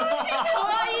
かわいい！